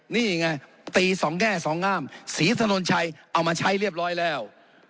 นี่ไงตีสองแง่สองงามศรีถนนชัยเอามาใช้เรียบร้อยแล้ว